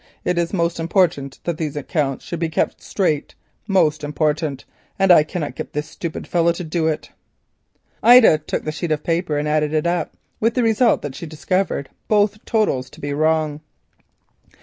It is most important that these accounts should be kept straight. Most important, and I cannot get this stupid fellow to do it." Ida took the sheet of paper and added it up, with the result that she discovered both totals to be wrong.